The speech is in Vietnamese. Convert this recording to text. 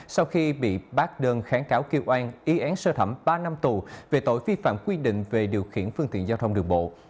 sau khi bị bác đơn kháng cáo kêu oan y án sơ thẩm ba năm tù về tội vi phạm quy định về điều khiển phương tiện giao thông đường bộ